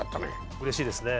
うれしいですね。